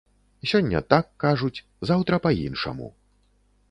Сёння так кажуць, заўтра па-іншаму.